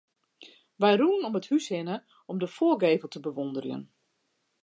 Wy rûnen om it hûs hinne om de foargevel te bewûnderjen.